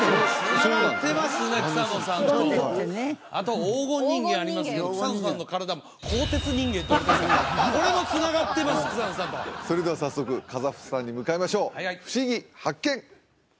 つながってますね草野さんとあと黄金人間ありますけどこれもつながってます草野さんとそれでは早速カザフスタンに向かいましょうふしぎ発見！